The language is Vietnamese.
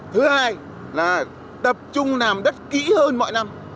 thứ hai là tập trung làm đất kỹ hơn mọi năm